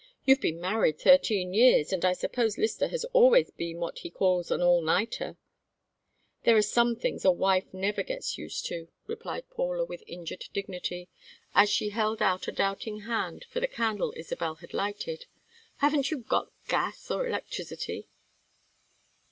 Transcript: "You've been married thirteen years, and I suppose Lyster has always been what he calls an all nighter." "There are some things a wife never gets used to," replied Paula with injured dignity, as she held out a doubting hand for the candle Isabel had lighted. "Haven't you gas or electricity?"